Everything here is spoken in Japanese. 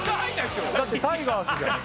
だってタイガースじゃない。